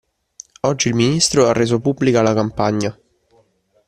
Oggi il Ministro ha reso pubblica la campagna.